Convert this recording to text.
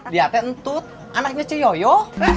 dia teh entut anaknya ceyoyo